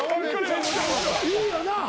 いいよな。